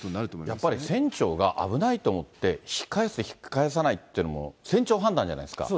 やっぱり、船長が危ないと思って、引き返す、引き返さないっていうのも船長判断じゃないですか。